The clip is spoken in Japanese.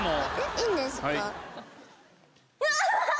いいんですか？